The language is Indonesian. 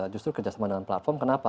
justru kerjasama dengan platform kenapa